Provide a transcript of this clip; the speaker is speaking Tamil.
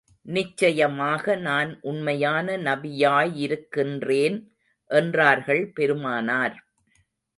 நிச்சயமாக, நான் உண்மையான நபியாயிருக்கின்றேன் என்றார்கள் பெருமானார்.